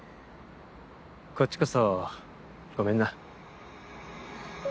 こっちこそごめんな。